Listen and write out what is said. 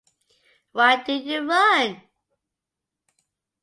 Why Do You Run?